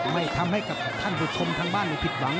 ไม่ทำให้กับท่านผู้ชมทางบ้านผิดหวัง